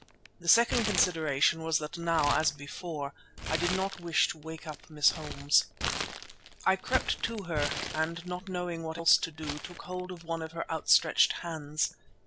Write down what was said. The second consideration was that now as before I did not wish to wake up Miss Holmes. I crept to her and not knowing what else to do, took hold of one of her outstretched hands.